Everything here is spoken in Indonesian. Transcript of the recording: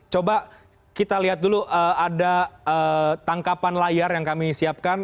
coba kita lihat dulu ada tangkapan layar yang kami siapkan